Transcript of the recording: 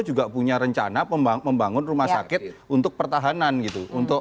juga punya rencana pembangun membangun rumah sakit untuk pertahanan gitu untuk apa untuk